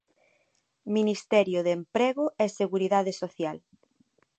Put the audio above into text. Ministerio de Emprego e Seguridade Social.